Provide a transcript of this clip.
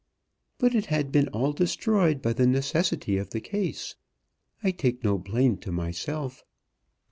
But it had been all destroyed by the necessity of the case. I take no blame to myself."